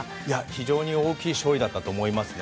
非常に大きい勝利だったと思いますね。